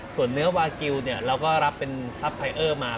ส่วนเนื้อวากิลเราก็รับเป็นทรัพย์ไยเออร์มา